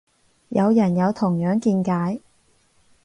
有人有同樣見解